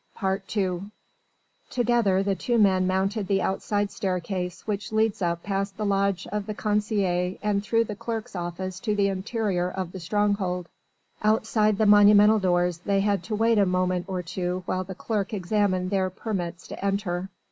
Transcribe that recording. II Together the two men mounted the outside staircase which leads up past the lodge of the concierge and through the clerk's office to the interior of the stronghold. Outside the monumental doors they had to wait a moment or two while the clerk examined their permits to enter.